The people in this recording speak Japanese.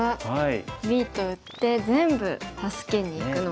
Ｂと打って全部助けにいくのか。